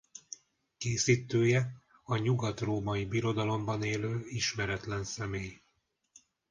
Készítője a Nyugatrómai Birodalomban élő ismeretlen személy.